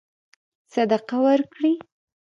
صدقه ورکړي.